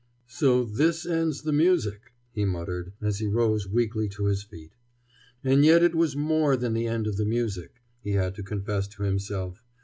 "So this ends the music!" he muttered, as he rose weakly to his feet. And yet it was more than the end of the music, he had to confess to himself.